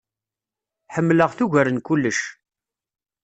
Ḥemleɣ-t ugar n kullec.